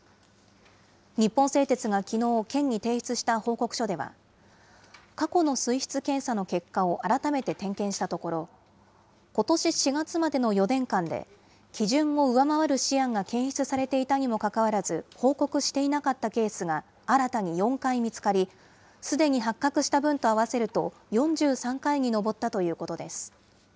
日本製鉄がきのう、県に提出した報告書では、過去の水質検査の結果を改めて点検したところ、ことし４月までの４年間で基準を上回るシアンが検出されていたにもかかわらず、報告していなかったケースが新たに４回見つかり、すでに発覚した分と合わせると、４３回に上ったということです。